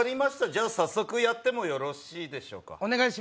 じゃあ、早速やってもよろしいでしょうか。